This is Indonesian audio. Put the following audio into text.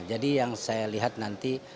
jadi yang saya lihat nanti